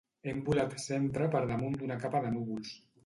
Hem volat sempre per damunt d'una capa de núvols.